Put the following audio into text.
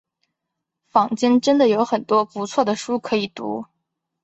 坊间真的有很多不错的书可以读